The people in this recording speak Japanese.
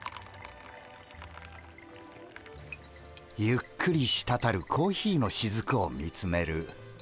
ゆっくりしたたるコーヒーのしずくを見つめる。